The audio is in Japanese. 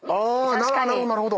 なるほどなるほど。